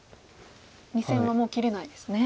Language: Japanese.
２線はもう切れないですね。